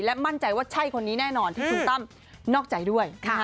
มั่นใจว่าใช่คนนี้แน่นอนที่คุณตั้มนอกใจด้วย